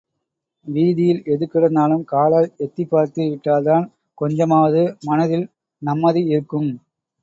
வீதியில் எது கிடந்தாலும், காலால் எத்திப்பார்த்து விட்டால் தான், கொஞ்சமாவது மனதில் நம்மதி இருக்கும்.